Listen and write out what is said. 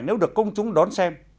nếu được công chúng đón xem